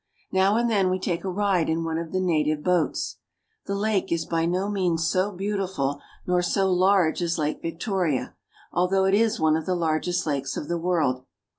Now and then we take a ride in one of the na tive boats. The lake is by no means so beautiful nor so large as Lake Victoria, although it is one of the largest lakes of the world.